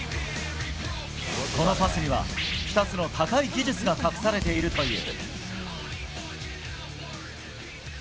このパスには、２つの高い技術が隠されているという。